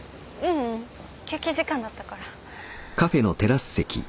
ううん休憩時間だったから。